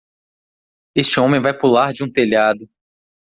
Este homem vai pular de um telhado.